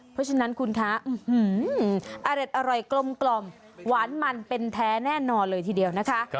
เพราะฉะนั้นคุณคะอร่อยกลมหวานมันเป็นแท้แน่นอนเลยทีเดียวนะคะ